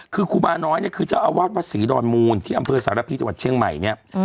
คือครูบาน้อยคือเจ้าอาวาสวัสดิ์วัดศรีดอนมูลที่อำเภอสารพีชะวัดเชียงใหม่